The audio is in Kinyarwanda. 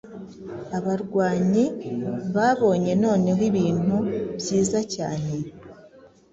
Abarwanyi babonye noneho ibintu byiza cyane